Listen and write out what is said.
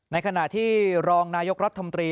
ในขณะที่รองนายกรัฐมนตรี